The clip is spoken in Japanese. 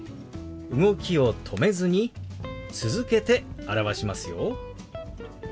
動きを止めずに続けて表しますよ。